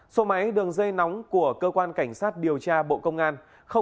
số máy đường dây nóng của cơ quan cảnh sát điều tra bộ công an sáu mươi chín hai trăm ba mươi ba